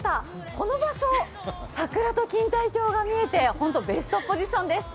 この場所、桜と錦帯橋が見えてベストポジションです。